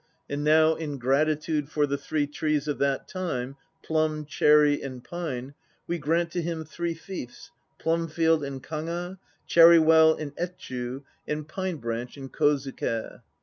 And now in gratitude for the three trees of that time, plum, lirrry and pine, we grant to him three fiefs, Plumfield in Kaga, <!li nywcll in Etchu and Pine branch in Kozuke. !!'